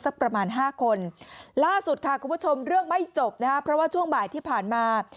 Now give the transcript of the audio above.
ประมาณห้าคนล่าสุดค่ะคุณผู้ชมเรื่องไม่จบนะฮะเพราะว่าช่วงบ่ายที่ผ่านมา